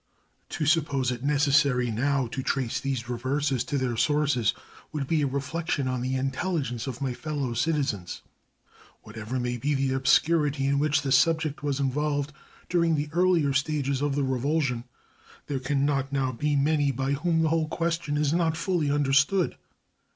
To suppose it necessary now to trace these reverses to their sources would be a reflection on the intelligence of my fellow citizens. Whatever may have been the obscurity in which the subject was involved during the earlier stages of the revulsion, there can not now be many by whom the whole question is not fully understood.